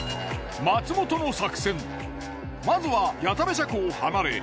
松本の作戦まずは谷田部車庫を離れ